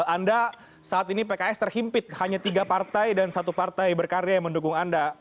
anda saat ini pks terhimpit hanya tiga partai dan satu partai berkarya yang mendukung anda